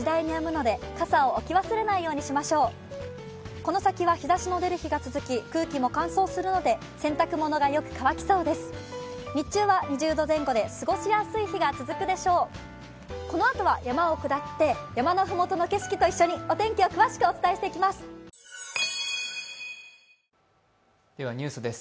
このあとは山を下って山のふもとの景色と一緒にお天気を詳しくお伝えしていきます。